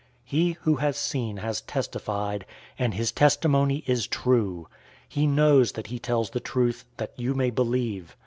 019:035 He who has seen has testified, and his testimony is true. He knows that he tells the truth, that you may believe.